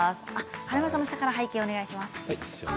華丸さんも下から背景をお願いします。